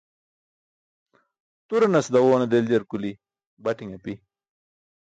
Turanas daġowane deljar kuli bati̇n api.